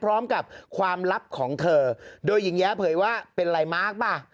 พร้อมกับความลับของเธอโดยหญิงแย้เผยว่าเป็นไลนมาร์คป่ะ